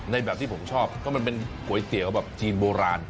แบบที่ผมชอบก็มันเป็นก๋วยเตี๋ยวแบบจีนโบราณ